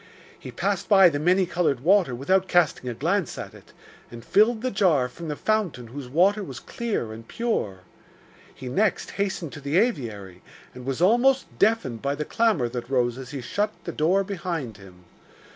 He passed by the many coloured water without casting a glance at it, and filled the jar from the fountain whose water was clear and pure. He next hastened to the aviary, and was almost deafened by the clamour that rose as he shut the door behind him.